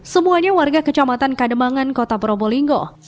semuanya warga kecamatan kademangan kota probolinggo